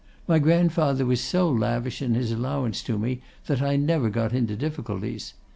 My grandfather was so lavish in his allowance to me that I never got into difficulties.